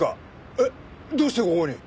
えっどうしてここに？